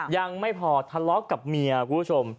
ยังไม่พอทะเลาะกับเมียคุณผู้ชม